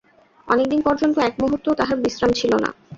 অনেক দিন পর্যন্ত একমুহূর্তও তাঁহার বিশ্রাম ছিল না।